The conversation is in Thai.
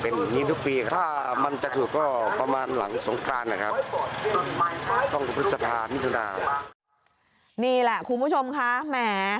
นี่แหละคุณผู้ชมค่ะแหม